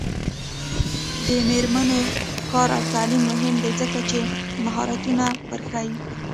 د میرمنو کار او تعلیم مهم دی ځکه چې مهارتونه ورښيي.